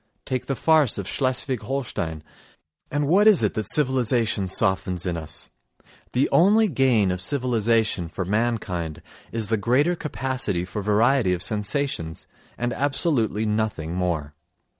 Take the farce of Schleswig Holstein.... And what is it that civilisation softens in us? The only gain of civilisation for mankind is the greater capacity for variety of sensations—and absolutely nothing more.